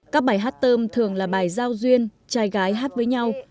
các bài hát tôm thường là bài giao duyên trai gái hát với nhau